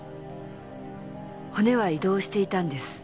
骨は移動していたんです。